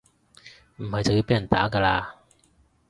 唔係就要被人打㗎喇